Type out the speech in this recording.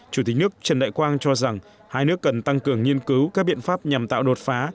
chủ tịch nước trần đại quang cho rằng hai nước cần tăng cường nghiên cứu các biện pháp nhằm tạo đột phá